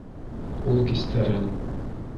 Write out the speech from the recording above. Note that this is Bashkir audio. Ул кистәрен.